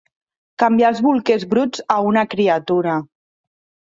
Canviar els bolquers bruts a una criatura.